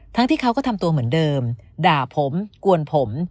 ที่เขาก็ทำตัวเหมือนเดิมด่าผมกวนผม